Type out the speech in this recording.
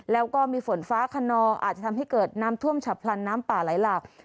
แล้วก็มีฝนฟ้าขนองอาจจะทำให้เกิดน้ำท่วมฉับพลันน้ำป่าไหลหลาก